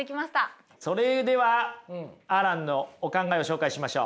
それではアランのお考えを紹介しましょう。